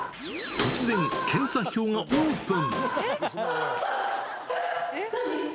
突然、検査表がオープン。